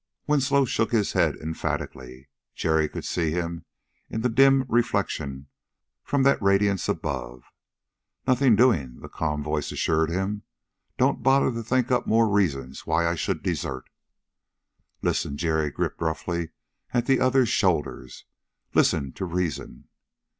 Winslow shook his head emphatically. Jerry could see him in the dim reflection from that radiance above. "Nothing doing," the calm voice assured him. "Don't bother to think up more reasons why I should desert." "Listen!" Jerry gripped roughly at the other's shoulder. "Listen to reason.